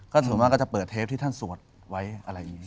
ส่วนมากก็จะเปิดเทปที่ท่านสวดไว้อะไรอย่างนี้